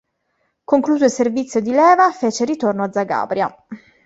Concluso il servizio di leva, fece ritorno a Zagabria.